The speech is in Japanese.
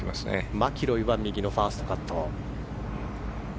マキロイは右のファーストカット。